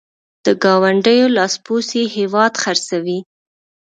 د ګاونډیو لاسپوڅي هېواد خرڅوي.